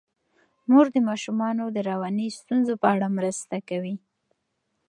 مور د ماشومانو د رواني ستونزو په اړه مرسته کوي.